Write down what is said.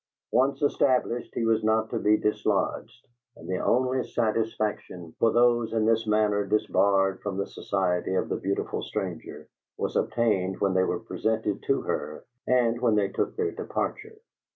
Once established, he was not to be dislodged, and the only satisfaction for those in this manner debarred from the society of the beautiful stranger was obtained when they were presented to her and when they took their departure.